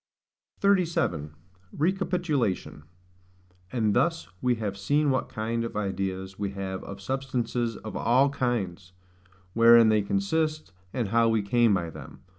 37. Recapitulation. And thus we have seen what kind of ideas we have of SUBSTANCES OF ALL KINDS, wherein they consist, and how we came by them.